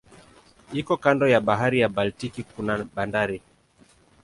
Iko kando ya bahari ya Baltiki kuna bandari.